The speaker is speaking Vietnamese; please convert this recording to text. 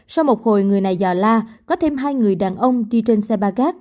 sau một hồi người này dò la có thêm hai người đàn ông đi trên xe ba gác